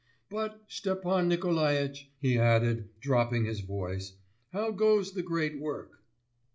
But, Stepan Nikolaitch,' he added, dropping his voice, 'how goes the great work?